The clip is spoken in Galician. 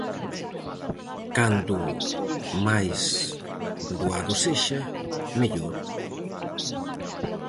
Cando máis doado sexa, mellor.